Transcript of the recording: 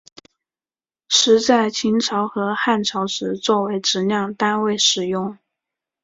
石在秦朝和汉朝时作为质量单位使用。